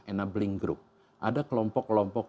enabling group ada kelompok kelompok